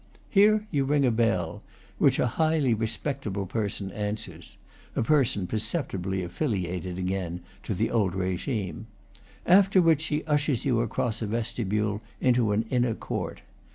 Here you ring a bell, which a highly respectable person answers (a per son perceptibly affiliated, again, to the old regime), after which she ushers you across a vestibule into an inner court.